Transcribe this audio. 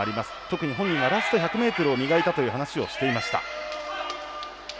特に本人は、ラスト１００ｍを磨いたという話をしていました。